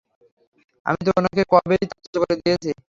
আমি তো ওনাকে কবেই ত্যায্য করে দিয়েছি।